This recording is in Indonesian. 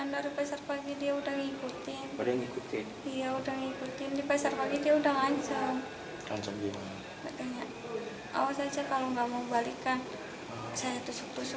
tentunya di belakang bisnis